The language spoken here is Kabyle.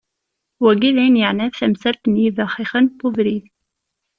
Wagi d ayen iεnan tamsalt n yibaxixen n ubrid.